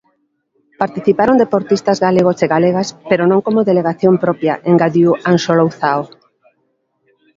"Participaron deportistas galegos e galegas, pero non como delegación propia", engadiu Anxo Louzao.